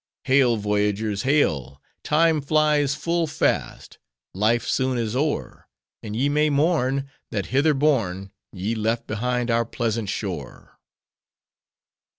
Hail! voyagers, hail! Time flies full fast; life soon is o'er; And ye may mourn, That hither borne, Ye left behind our pleasant shore.